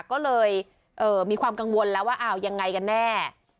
ก็เลยมีความกังวลแล้วว่าอ้าวยังไงกันแน่